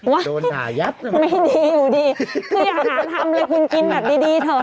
โว๊ยไม่ดีอยู่ดีคืออย่าหาทำอะไรคุณกินแบบดีเถอะ